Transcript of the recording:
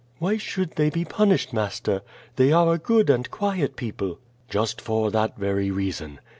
"WTiy should they be punished, master? they are a good and quiet people." "Just for that very reason."